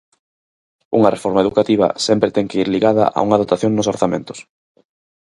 Unha reforma educativa sempre ten que ir ligada a unha dotación nos orzamentos.